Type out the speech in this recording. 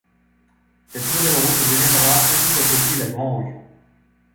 Cette nouvelle route deviendra petit à petit la Grand’rue.